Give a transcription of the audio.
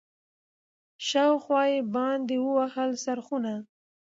شاوخوا یې باندي ووهل څرخونه